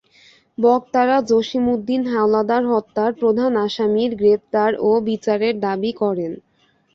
বক্তারা জসিম উদ্দিন হাওলাদার হত্যার প্রধান আসামির গ্রেপ্তার ও বিচারের দাবি করেন।